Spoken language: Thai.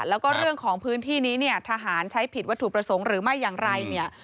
แล้วก็เรื่องของพื้นที่นี้เนี่ยทหารใช้ผิดวัตถุประสงค์หรือไม่อย่างไรเนี่ย